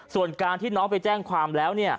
ส่วนการที่น้องไปแจ้งความแล้ว